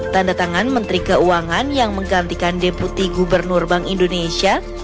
tanda tangan menteri keuangan yang menggantikan deputi gubernur bank indonesia